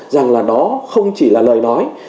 rằng là đó không chỉ là lời nói